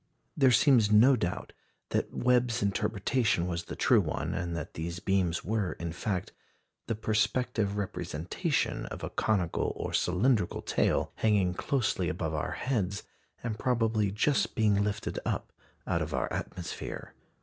There seems no doubt that Webb's interpretation was the true one, and that these beams were, in fact, "the perspective representation of a conical or cylindrical tail, hanging closely above our heads, and probably just being lifted up out of our atmosphere."